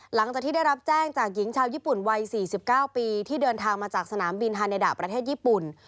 หลังจากที่ได้รับแจ้งจากหญิงชาวญี่ปุ่นวัย๔๙ปีที่เดินทางมาจากสนามบินฮาเนดาประเทศญี่ปุ่น